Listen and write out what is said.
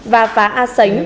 và phá a sánh